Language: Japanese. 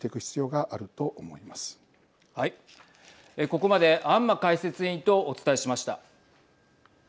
ここまで安間解説委員とお伝えしました。